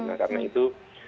nah karena itu